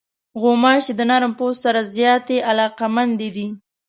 غوماشې د نرم پوست سره زیاتې علاقمندې دي.